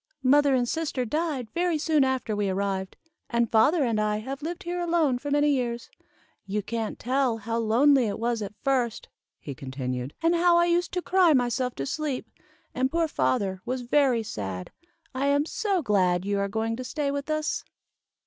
"Mother and sister died very soon after we arrived, and father and I have lived here alone for many years. "You can't tell how lonely it was at first," he continued, "and how I used to cry myself to sleep, and poor father was very sad. I am so glad you are going to stay with us."